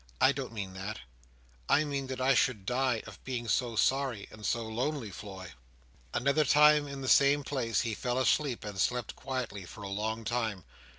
"I don't mean that. I mean that I should die of being so sorry and so lonely, Floy!" Another time, in the same place, he fell asleep, and slept quietly for a long time.